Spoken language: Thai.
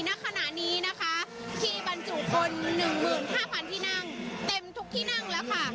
ณขณะนี้นะคะที่บรรจุคน๑๕๐๐๐ที่นั่งเต็มทุกที่นั่งแล้วค่ะ